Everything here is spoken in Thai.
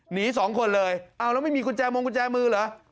หนีสองคนเลยเอาแล้วไม่มีกุญแจมงกุญแจมือเหรอ